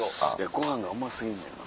ご飯がうま過ぎんねんな。